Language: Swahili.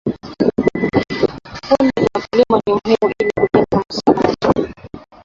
Vikundi vya wakulima ni muhimu ili kujenga mahusiano mazuri